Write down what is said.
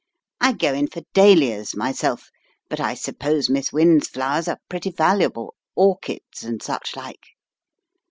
I go in for dahlias myself, but I suppose Miss Wynne's flowers are pretty valuable; orchids, and such like."